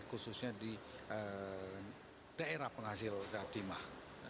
khususnya di daerah penghasil timah